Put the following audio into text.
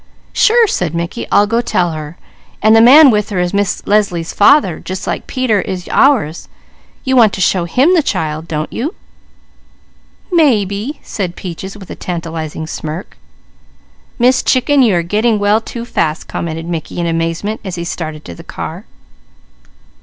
"Sure!" said Mickey. "I'll go tell her. And the man with her is Miss Leslie's father, just like Peter is ours; you want to show him the Child, don't you?" "Maybe!" said Peaches with a tantalizing smirk. "Miss Chicken, you're getting well too fast," commented Mickey in amazement as he started to the car.